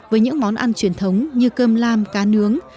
với những món ăn truyền thống như cơm lam cá nướng